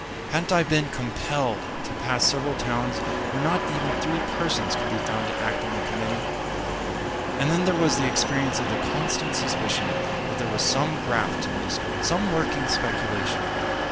Hadn't I been compelled to pass several towns where not even three persons could be found to act on the committee? And then there was the experience of the constant suspicion that there was some graft to be discovered, some lurking speculation.